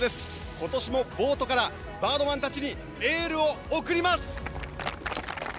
今年もボートからバードマン達にエールを送ります！